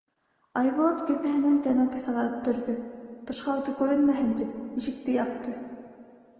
Айбулат кеҫәһенән тәмәке сығарып төрҙө, тышҡа уты күренмәһен тип, ишекте япты.